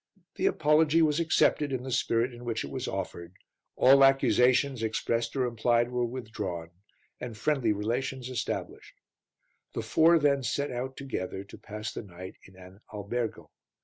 The apology was accepted in the spirit in which it was offered, all accusations, expressed or implied, were withdrawn, and friendly relations established. The four then set out together to pass the night in an albergo.